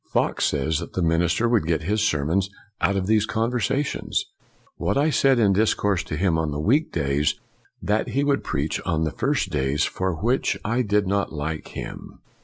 Fox says that the minister would get his sermons out of these conversations. " What I said in dis course to him on the week days, that he would preach on the first days, for which I did not like him."